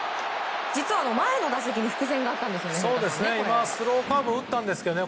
実は、前の打席に伏線があったんですよね。